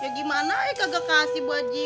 ya gimana ya kagak kasih bu haji